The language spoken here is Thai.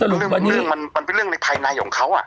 อืมมันเป็นเรื่องในภายในของเขาอะ